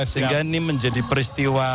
sehingga ini menjadi peristiwa